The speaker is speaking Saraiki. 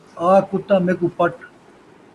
آ کتا، میکوں پٹ